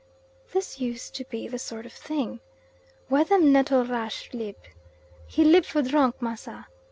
This used to be the sort of thing "Where them Nettlerash lib?" "He lib for drunk, Massa."